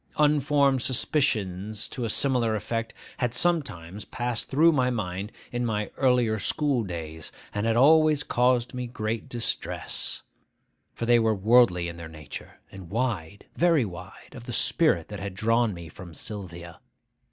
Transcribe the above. Unformed suspicions to a similar effect had sometimes passed through my mind in my earlier school days, and had always caused me great distress; for they were worldly in their nature, and wide, very wide, of the spirit that had drawn me from Sylvia.